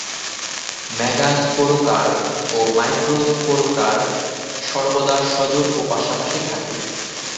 Megasporocarp ও microsporocarp সর্বদা সজোড় ও পাশাপাশি থাকে।